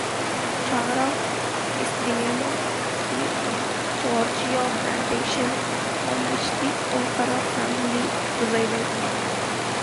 Tara is the name of the Georgia plantation on which the O'Hara family resided.